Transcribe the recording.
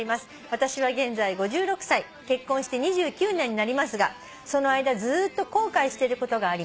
「私は現在５６歳結婚して２９年になりますがその間ずっと後悔してることがあります」